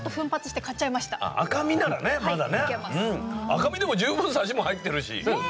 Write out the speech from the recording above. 赤身でも十分サシも入ってるし。